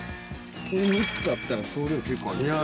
３つあったら総量結構ありますよね。